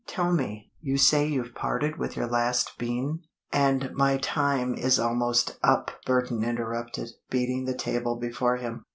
Tell me, you say you've parted with your last bean " "And my time is almost up!" Burton interrupted, beating the table before him.